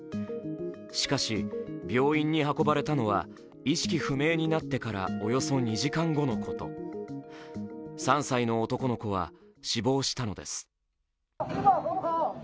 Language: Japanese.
しかし、病院に運ばれたのは意識不明になってからおよそ２時間後のこと、３歳の男の子は死亡したのです。